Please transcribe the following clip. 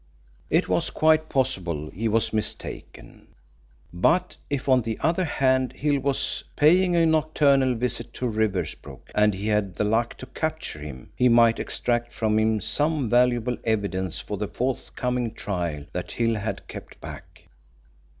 It was quite possible he was mistaken, but if, on the other hand, Hill was paying a nocturnal visit to Riversbrook and he had the luck to capture him, he might extract from him some valuable evidence for the forthcoming trial that Hill had kept back.